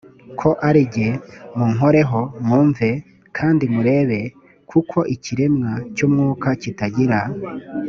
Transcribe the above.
ko ari jye munkoreho mwumve e kandi murebe kuko ikiremwa cy umwuka kitagira